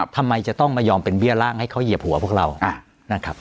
ทำไมจะต้องมายอมเป็นเบี้ยร่างให้เขาเหยียบหัวพวกเรานะครับ